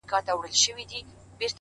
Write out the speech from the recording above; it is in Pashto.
لوړ لید راتلونکی روښانه کوي